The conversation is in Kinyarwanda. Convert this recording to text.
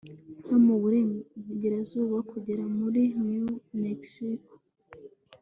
no mu burengerazuba kugera muri new mexico